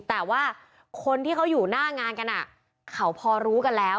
แต่ว่าคนที่เขาอยู่หน้างานกันเขาพอรู้กันแล้ว